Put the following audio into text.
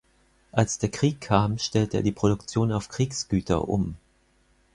Als der Krieg kam, stellte er die Produktion auf Kriegsgüter um.